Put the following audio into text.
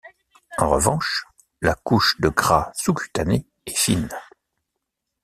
En revanche, la couche de gras sous-cutané est fine.